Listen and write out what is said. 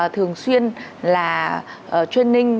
thường xuyên là training